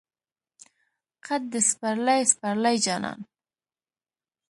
قد د سپرلی، سپرلی جانان